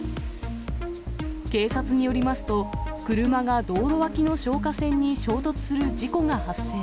警察によりますと、車が道路脇の消火栓に衝突する事故が発生。